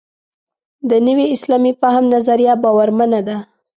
د نوي اسلامي فهم نظریه باورمنه ده.